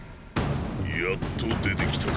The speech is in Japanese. やっと出て来たか。